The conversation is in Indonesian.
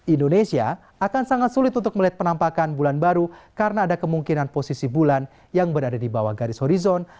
indonesia akan sangat sulit untuk melihat penampakan bulan baru karena ada kemungkinan posisi bulan yang berada di bawah garis horizon